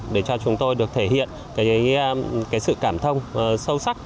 để cho chúng tôi được thể hiện cái sự cảm thông sâu sắc